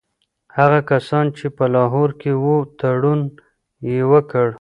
هغه کسان چي په لاهور کي وو تړون یې وکړ.